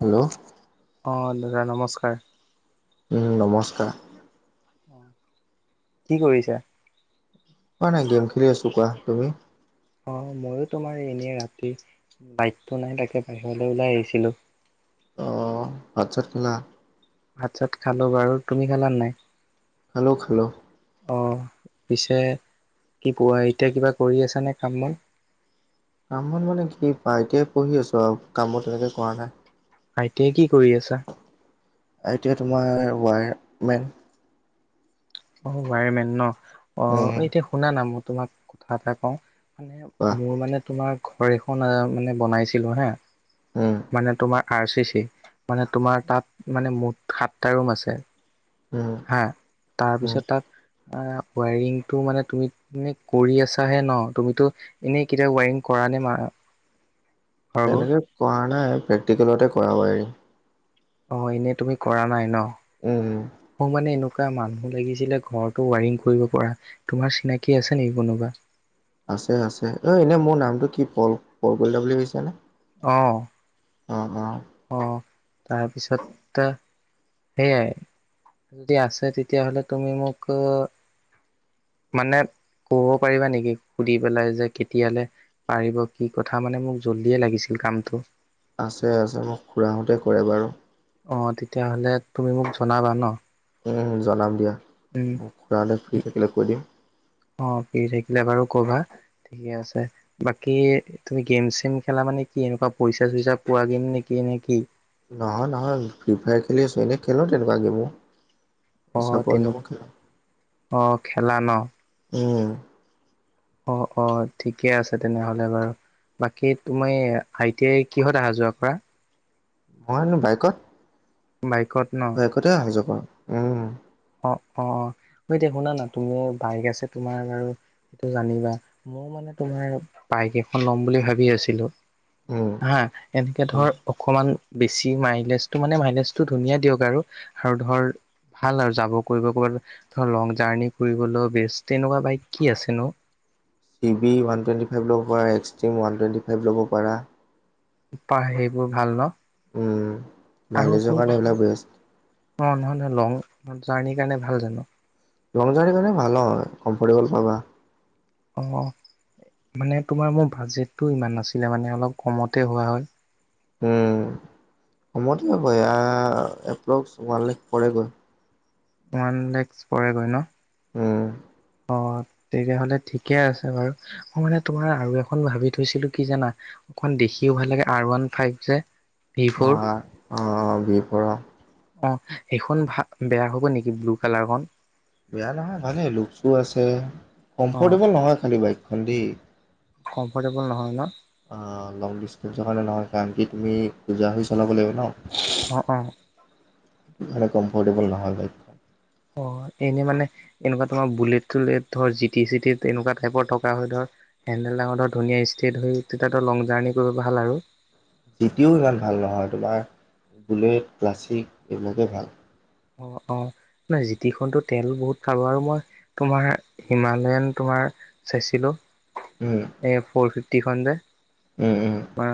Hello অ দাদা নমস্কাৰ। উম নমস্কাৰ কি কৰিছা? মই এনেই‌ গেম খেলি আছো কোৱা তুমি? অ মইয়ো তোমাৰ এনে ৰাতি বাইকটো নাই তাকে বাহিৰলৈ ওলাই আহিছিলো। অ ভাত চাত খালা? ভাত চাত খালো বাৰু তুমি খালা নাই? খালো খালো। অ পিছে কি কোৱা এতিয়া কিবা কৰি আছা নে কাম বন? কাম বন মানে কি পোৱা আই টি আই পঢ়ি আছো আও কাম বন তেনেকে কৰা নাই। আই টি আই কি কৰি আছা? আই টি আই তোমাৰ ৱায়াৰমেন অ ৱায়ৰমেন ন অ উম এতিয়া শুনা না মই তোমাক কথা এটা কওঁ মানে কোৱা মোৰ মানে তোমাৰ ঘৰ এখন মানে বনাইছিলো হে উম মানে তোমাৰ আৰ চি চি মানে তোমাৰ তাত মানে মুঠ সাতটা ৰুম আছে। উম। হা উম তাৰপিছত তাত আ ৱায়ৰিংটো মানে তুমি এনে কৰি আছাহে ন তুমিতো এনেই কেতিয়াও ৱাইৰিং কৰা নে মা তেনেকে কৰা নাই প্ৰেক্টিকেলতে কৰাবাৰি। অ এনেই তুমি কৰা নাই ন? উম। মোৰ মানে এনেকুৱা মানুহ লাগিছিলে ঘৰৰতো ৱাৰিং কৰিব পৰা। তোমাৰ চিনাকি আছে নেকি কোনোবা? আছে আছে ঐ এনেই মোৰ নামটো কি পল পল বুলি ভাবিছানে? অ। অঁ অঁ। অঁ তাৰপিছত এতিয়া সেইয়াই যদি আছে তেতিয়াাহলে তুমি মোকো মানে কব পাৰিবা নেকি সুধি পেলাই যে কেতিয়ালে পাৰিব কি কথা মানে মোক জল্দিয়ে লাগিছিল কামটো। আছে আছে মোৰ খুৰাহঁতে কৰে বাৰু। অ তেতিয়াহ'লে তুমি মোক জনাবা ন? উম জনাম দিয়া। উম খুৰালে ফ্ৰী থাকিলে কৈ দিম। অ ফ্ৰী থাকিলে বাৰু কবা ঠিকে আছে। বাকী তুমি গেম - চেম খেলা মানে কি এনেকুৱা পইচা - চইচা পোৱা গেম নেকি নে নেকি? নহয় - নহয় ফ্ৰী ফায়াৰ খেলি আছোঁ এনেই খেলোঁ তেনেকুৱা গেমো। অ চপোৱাে তেনে গেমো খেলো অ খেলা ন ওম। অ অ ঠিকে আছে তেনেহ'লে বাৰু। বাকী তুমিৰ আই টি আইৰ কিহত অহা যোৱা কৰা? মইনো বাইকত। বাইকত ন? বাইকতে আহা যোৱা কৰ? উম। অ অ অ ঐ এতিয়া শুনা না তুমি বাইক আছে তোমাৰ বাৰু সটো জানিবা মই মানে তোমাৰ বাইক এখন ল'ম বুলি ভাবি আছিলো? উম হা এনেকে উম। ধৰ অকমান বেছি মাইলেজটো মানে মাইলেজটো ধুনীয়া দিয়ক আৰু আৰু ধৰ ভাল আৰু যাব কৰিব ক'ৰবাত ধৰ লং জাৰ্ণি কৰিবলৈ বেষ্ট তেনেকুৱা বাইক কি আছেনো? C V one twenty five ল'ব পাৰা এক্সট্ৰিম ওৱান টুৱেটি ফাইভ ল'ব পাৰা? পা সেইবোৰ ভাল ন উম। আৰু মাইলেজৰ শোন কাৰণে অ এইবিলাক বেষ্ট নহয় - নহয় লং জাৰ্ণিৰ কাৰণে ভাল জানো? লং জাৰ্ণি কাৰণে ভাল হয়, কমফৰ্টেবল পাবা। অঁ মানে তোমাৰ মোৰ বাজেটটো ইমান নাছিলে মানে অলপ কমতে হোৱা হয়। উম কমতে হ'ব এয়া এপ্ৰক্স ওৱান লেখ পৰেগৈ। ওৱান লেক্স পৰেগৈ ন? ওম। অ তেতিয়াহ'লে ঠিকে আছে বাৰু, মই মানে তোমাৰ আৰু এখন ভাবি থৈছিলো কি জানা? অকমান দেখিও ভাল লাগে আৰ ওৱান ফাইভ যে। ভি ফ'ৰ অ অ বিহ পৰা। অ সেইখন ভা বেয়া হ'ব নেকি ব্লু কালাৰখন? বেয়া নহয় ভালেই লুকচটো আছে, অ কমফৰ্টেবল নহয় খালী বাইকখন দেই। কমফৰ্টেবল নহয় ন? অঁ লং ডিচষ্টেঞ্চৰ কাৰণে নহয় কাৰণ কি তুমি কুজা হৈ চলাব লাগিব ন? অ অ। হেনে কম্ফৰ্টেবল নহয় বাইক। অ এনেই মানে এনেকুৱা তোমাৰ বুলেট চুলেট ধৰ জি টি চিটিত এনেকুৱা টাইপৰ থকা হয় ধ হেণ্ডেল ডাঙৰ ধৰ ধুনীয়া ষ্ট্ৰেট হৈ তেতিয়াতো লং জাৰ্ণি কৰিব ভাল আৰু জিটিও ইমান ভাল নহয় তোমাৰ বুলেট ক্লাছিক এইবিলাকেই ভাল অঁ অঁ ন জিটিখন টো তেল বহুত খাব আৰু মই তোমাৰ হিমালয়ান তোমাৰ চাইছিলো ওম এ ফ'ৰ ফিফটিখন যে উম উম বা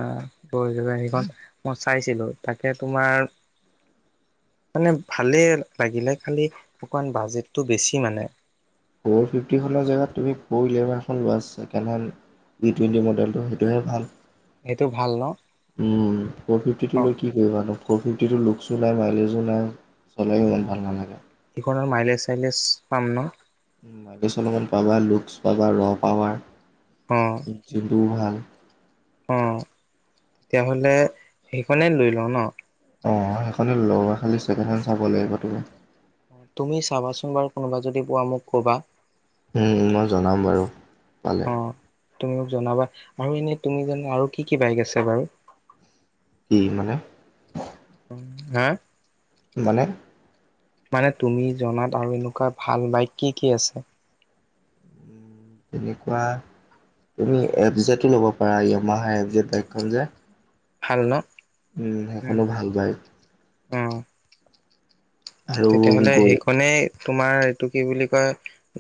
গ জা সেইখন মই চাইছিলো তাকে তোমাৰ মানে ভালেই লাগিলে খালি অকমান বাজেটটো বেছি মানে ফ'ৰ ফিফটিখনৰ জেগাত তুমি 'ফৰ হুইলাৰ এখন লোৱাছ second hand G twenty model সেইটোহে ভাল। সেইটো ভাল ন, ওম ফ ফিফটিটো অ লৈ কি কৰিবা ন ফ ফিফটি লুকচো নাই মাইলেজো নাই হ'লেও ইমান ভাল নালাগে। সিখনৰ মাইলেজ চাইলেজ পাম ন মাইলেজ অলমান পাবা লুক্চ পাবা ৰ পাবা অ জিলটোও ভাল অঁ তেতিয়া হ'লে সেইখনেই লৈ লওঁ ন। অঁ সেইখনে ল খালি ছেকেণ্ড হেড চাব লাগিব, তুমি তুমি চাবাচোন বাৰু কোনোবা যদি পোৱা মোক কবা। ওম মই জনাম বাৰু পালে অ তুমি মোক জনাবা আৰু এনে তুমি যে আৰু কি কি বাইক আছে বাৰু কি মানে? হে মানে? মানে তুমি জনাত আৰু এনেকুৱা ভাল বাইক কি কি আছে? তেনেকুৱা তুমি এফজেতো ল'ব পাৰা য়ামাহা এফ জেত বাইকখন যে ভাল ন! ওহ সেইখনো ভাল বাইক। উম। আৰু তেতিয়াহ'লে গৰি সেইখনেই তোমাৰ এইটো কি বুলি কয়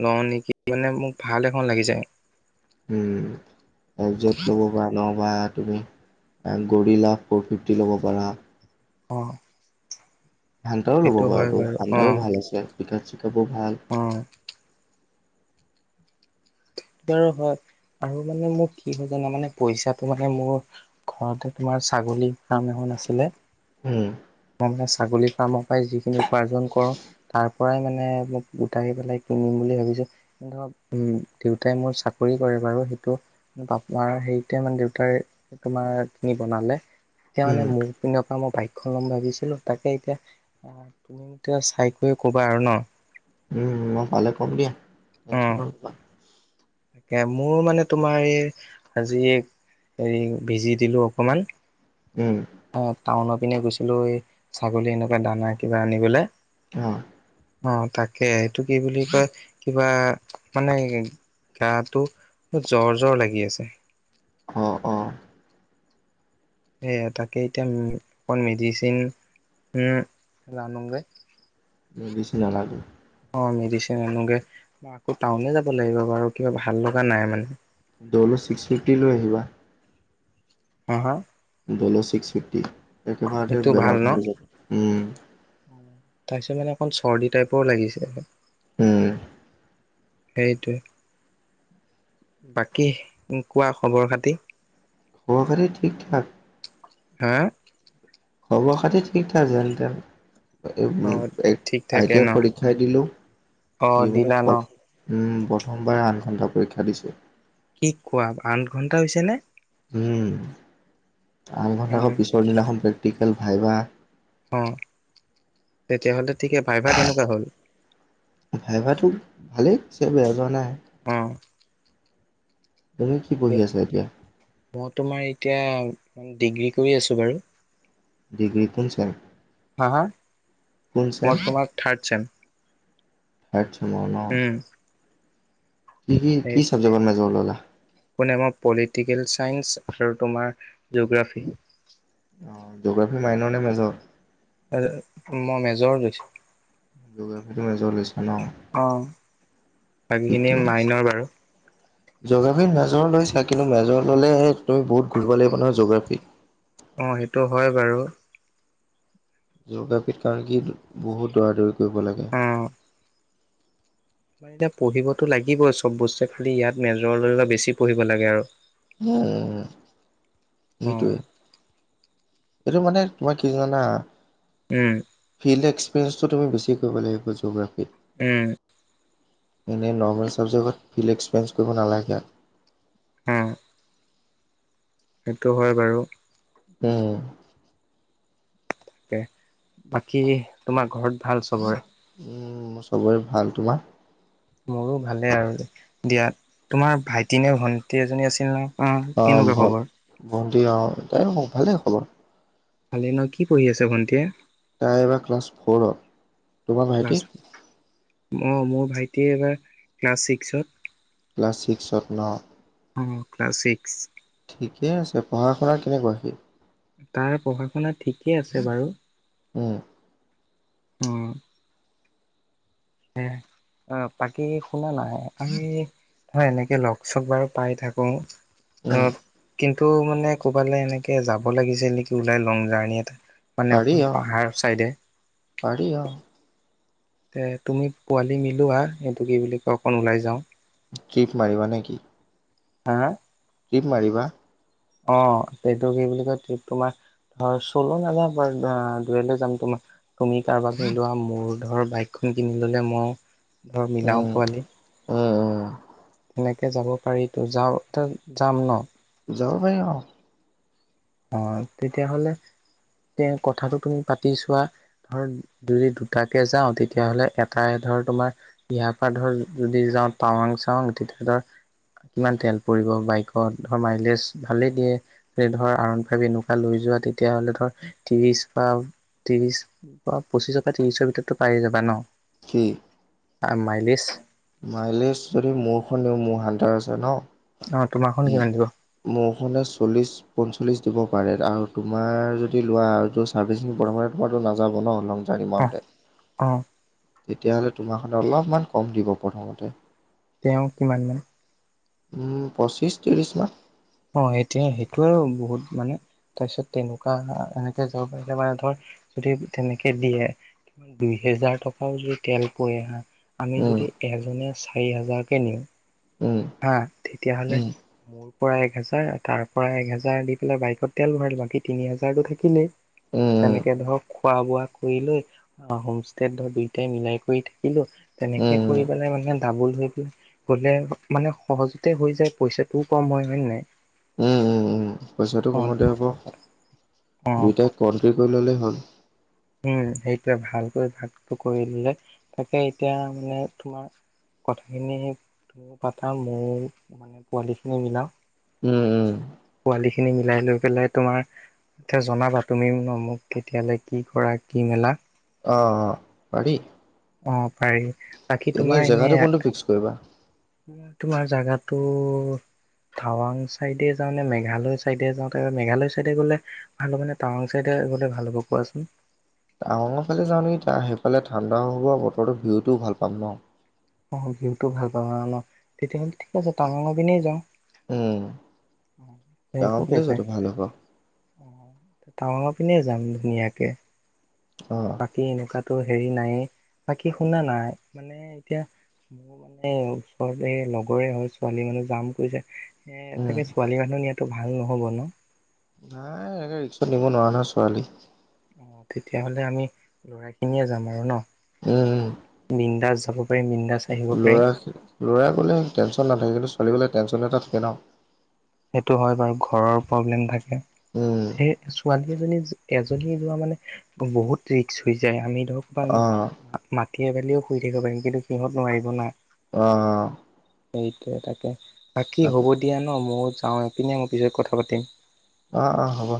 লওঁ নেকি, মানে মোক ভাল এখন লাগি যায়। উম এফজেট ল'ব পাৰা নহবা তুমি গৰিলা ফ'ৰ ফিফটি ল'ব পাৰা। অঁ। হান্তাও ল'ব পাৰ তো বাৰু হান্তাও ভাল আছে পিকাব চিকাবও ভাল। উম, স বাৰ হয় আৰু মানে মোৰ কি হয় জানা মানে পইচাটো মানে মোৰ ঘৰতে তোমাৰ ছাগলী ফাৰ্ম এখন আছিলে। উম, মই মানে ছাগলী ফাৰ্মৰ পৰাই যিখিনি উপাৰ্জন কৰো তাৰ পৰাই মানে মোক গোটাই পেলাই কিনিম বুলি ভাবিছোঁ ধৰক, উ দেউতাই মোৰ চাকৰি কৰে, বাৰু সেইটো পাপাৰ হেৰিতে মানে দেউতাৰ তোমাৰ খিনি বনালে তেতিয়া উম, মানে মোক। তপ পৰা মই বাইকখন ল'ম ভাবিছিলো, তাকে এতিয়া তুমি এতিয়া চাই কৰি ক'বা আৰু ন। উম, মই পালে কম দিয়া। অ টেনচন নলবা। তাকে, মোৰ মানে তোমাৰ এই আজি হেৰি, ভিজি দিলোঁ অকণমান। উম। এ টাউনৰ পিনে গৈছিলো এই, ছাগলী এনেকুৱা দানা কিবা আনিবলে। অঁ। অঁ তাকে এইটো কি বুলি কয় কিবা মানে গাটো ব জ্বৰ জ্বৰ লাগি আছে। অঁ অঁ। সেয়া তাকে এতিয়া উম অকণ মেডিচিন উম লানোগে। মই বেছি নালাগো। অ মেডিচিন আনোগে, আকৌ টাউনে যাব লাগিব বাৰু কিবা ভাল লগা নাই মানে। দলো, ছিক্স ফিফ্টি লৈ আহিবা। হ হা? দলো ছিক্স ফিফটি, একেবাৰতে সেইটো বেমাৰ ন ভাল হৈ যাব উম। তাৰপিছত মানে অকণ চৰ্দি টাইপৰ লাগিছে। উম। সেইটোৱে। বাকী উম কোৱা খবৰ খাতি? খবৰ -খাতি ঠিক ঠাক? হা? খবৰ খাতি ঠিক ঠাক যেন তেন। এ ওম, এ, ঠিক আই টি থাকে আই ন পৰীক্ষাই দিলো অ জীৱনত দিলা প ন উম প্ৰথমবাৰ আঠ ঘণ্টা পৰীক্ষা দিছোঁ। কি কোৱা আঠ ঘণ্টা হৈছে নে? উম, আঠ ঘন্টা আকৌ অ', পিছৰ দিনাখন প্ৰেক্টিকেল, ভাইবা হ। তেতিয়া হ'লে ঠিকে ভাইভা কেনেকুৱা হ'ল? ভাইভাটো ভালে হৈছে, বেয়া যোৱা নাই। অ। তুমি কি পঢ়ি ঠিকে, আছা এতিয়া? মই তোমাৰ এতিয়া ডিগ্ৰী কৰি আছো বাৰু। ডিগ্ৰী কোন চেম? হা হা কোন চেম? মই তোমাৰ থাৰ্ড ছেম। থাৰ্ড ছেমৰ ন? উম। কি কি এই কি চাবজেটৰ মেজৰ ল'লা? কোনে মই পলিটিকেল ছাইন্স আৰু তোমাৰ জগ্ৰাফী। অ জ'গ্ৰাফি মাইনৰ নে মেজৰ? আ তে মই মেজৰ লৈছো। জিঅ'গ্ৰাফীটো মেজৰ লৈছা ন? অ বাকীখিনি মাইনৰ বাৰু। জ'গ্ৰাফী মেজৰ লৈছা কিন্তু মেজৰ ল'লে তুমি বহুত পঢ়িব লাগিব নহয় জগ্ৰাফী। অ সেইটো হয় বাৰু। জ'গ্ৰাফী কাৰণে কি বহুত দৌৰা দৌৰি কৰিব লাগে। অঁ। মই এতিয়া পঢ়িবটো লাগিবই চব বস্তুৱে খালি ইয়াত মেজৰলৈ ললে বেছি পঢ়িব লাগে আৰু। উম। অ', সেইটোৱে, এইটো মানে তোমাৰ কি জানা উম। ফিল্ড এক্সপেৰিয়ঞ্চটো তুমি বেছি কৰিব লাগিব জঅ'গ্ৰাফীত। উম। এনেই নৰ্মেল ছাবজেক্টত ফিলিক্স পেঞ্চ কৰিব নালাগে। উম। সেইটো হয় বাৰু। উম। কে বাকী তোমাৰ ঘৰত ভাল চব? মোৰ চবৰে ভাল। তোমাৰ? মোৰো ভালে আৰু দিয়া। তোমাৰ ভাইটি নে ভণ্টি এজনী আছিল ন? অ কেনেকুৱা ভ খবৰ? ভণ্টি অ তাই ভালেই খবৰ। ভালে ন কি পঢ়ি আছে ভণ্টিয়ে? তাই বা ক্লাছ ফো'ৰত। ক্লাছ অ মোৰ ভাইটিয়ে এবাৰ ক্লাছ ছিক্সত। ক্লাছ ছিক্সত ন? অ ক্লাছ ছিক্স। ঠিকে আছে। পঢ়া শুনা কেনেকুৱা সি? তাৰ পঢ়া শুনা ঠিকেই আছে বাৰু। উম। অ। অ বাকী শুনা নাই। আমি হয় এনেকৈ লগ চক বাৰু পাই থাকোঁ। অ উম কিন্তু মানে ক'ৰবালে এনেকে যাব লাগিছিল নেকি ওলাই লং জাং এটাত। মানে পাৰি অকণমান অ পাহাৰ চাইডে। পাৰি অ। এ তুমি পোৱালি মিলোৱা সেইটো কি বুলি কয় অকণ ওলাই যাওঁ। ট্ৰিপ মাৰিবা নে কি? হা। ট্টিপ মাৰিবা। অ এইটো কি বুলি কয় ট্ৰিপ তোমাৰ হয়, চলো নাযাও বাৰ দুয়লে যাম তোমা। তুমি কাৰবাক লৈ লোৱা মূৰ ধৰ বাইকখন কিনি ললে ম ধৰ মিলাও উম পোৱালি। উম উম এনেকৈ যাব পাৰিতো, যাওঁতে যাম ন? যাব পাৰি অ। অ তেতিয়াহলে এ কথাটো তুমি পাতি চোৱা। ধৰ যদি দুটাকে যাওঁ তেতিয়াহ'লে এটাই ধৰ তোমাৰ ইয়াৰ পৰা ধৰ যদি যাওঁ টাৱাং চাৱাং তেতিয়া ধৰ। কিমান তেল পৰিব বাইকত ধৰ মাইলেজ ভালেই দিয়ে সে ধৰা কাৰণ এনেকুৱা লৈ যোৱা তেতিয়াহ'লে ধৰ ত্ৰিশ বা ত্ৰিশ পঁচিশ কা ত্ৰিশৰ ভিতৰতো পাইয়ে যাবা ন। কি? আ মাইলেছ। মাইলেজ যদি মোৰখনও মোৰ হান্তাৰ আছে ন। অ তোমাৰখনো কিমান দিব? মোৰখনে চল্লিছ। পঞ্চল্লিছ দিব পাৰে আৰু তোমাৰ যদি লোৱা আৰু য ছাৰ্ভিচিং প্ৰথমতে তোমাৰতো নাযাব ন লং। ৰানিং অ মাৰোতে, অ তেতিয়াহ'লে তোমাৰ অলপমান কম দিব প্ৰথমতে। তেওঁ কিমান মান? উম পঁচিশ ত্ৰিশ মান। অ সেটোয় সেইটো আৰু বহুত মানে তাৰপিছত তেনেকুৱা এনেকে যাব পাৰিলে মানে ধৰ যদি তেনেকে দিয়ে, দুই হেজাৰ টকাও যদি তেল পোৱে হা। আমি যদি উম এজনে চাৰি হাজাৰকে নিওঁ উম হা তেতিয়াহ'লে উম মোৰ পৰা এক হেজাৰ তাৰ পৰা এক হেজাৰ দি পেলাই বাইকত তেল ভৰালো বাকী তিনি হাজাৰতো থাকিলেই। উম তেনেকে ধৰক খোৱা বোৱা কৰি লৈ অ' হোমষ্টে ধৰ দুইটাই মিলাই কৰি থাকিলো, উম তেনেকে উম কৰি পেলাই মানে ডাবল হৈ পাই গলে মানে সহজতে হৈ যায় পইচাটোও কম হয় হয় নে নাই? উম উম উম পইচাটো অ অ কমাতে হ'ব, দুইটাই কমট্ৰী কৰি ল'লেই হ'ল। উম, সেইটোৱে ভালকৈ ভাগটো কৰি দিলে তাকে এতিয়া মানে তোমাৰ কথাখিনি তুমি পাতা ময় মানে পোৱালিখিনি মিলাও। উম, উম। পোৱালিখিনি মিলাই লৈ পেলাই তোমাৰ জনাবা তুমি মোক কেতিয়ালে কি পৰা কি মেলা? অ' অ' পাৰি। অ' পাৰি, বাকী এনে তোমাৰ জেগাটো এনেই কোনটো ফিক্স কৰিবা? তোমাৰ জাগাটো টাৱাং চাইডে যাওঁ নে, মেঘালয় চাইডে যাওঁ তাৰ মেঘালয় চাইডে গ'লে ভাল মানে টাৱাং চাইডে গ'লে ভাল হ'ব কোৱাচোন? টাৱাংৰ ফালে যাওঁ নেকি তাৰ সেইফালে ঠাণ্ডা হোৱা বতৰৰ ভিউটোও ভাল পাম ন'? অ' ভীও ভাল পাওঁ ন তেতিয়াহ'লে ঠিক আছে টাৱাংৰ পিনে যাওঁ। উম, একো কেচ টাৱাংৰফালে নাই যোৱাটো ভাল হ'ব। টাৱাঙৰ পিনে যাম ধুনীয়াকৈ। অঁ। বাকী এনেকুৱাতো হেৰি নাই, বাকী শুনা নাই মানে এতিয়া মোৰ মানে ওচৰতে লগৰে হয় ছোৱালী মানে জাম কৈছে। এ, উম। তাকে ছোৱালী মানুহ নিয়াতো ভাল নহ'ব ন? নাই এনেকে ৰিক্সত নিব নোৱাৰা নহয় ছোৱালী। অ তেতিয়াহ'লে আমি লৰাখিনিয়ে যাম আৰু ন? উম উম। বিন্দাচ যাব পাৰি মি ল'ৰা ল'ৰা গ'লে টেনশ্যন নাথাকে কিন্তু ছোৱালী গোলে টেনশ্যন এটা থাকে ন'! সেইটো হয় বাৰু ঘৰৰ প্ৰব্লেম থাকে। উম, সেই ছোৱা এজনী এজনী যোৱা মানে বহুত ৰিক্স হৈ যায় আমি অ', ধৰক মাটি এ ভালিও শুই থাকিব পাৰিম কিন্তু সিহঁত নোৱাৰিব না? অ অ। সেইটোৱে তাকে বাকী অ', হ'ব দিয়া ন মই যাওঁ এপিনে মই পিছত কথা পাতিম। অ -অ হ'ব।